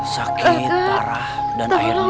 sakit parah dan akhirnya